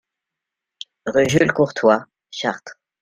Rue Jules Courtois, Chartres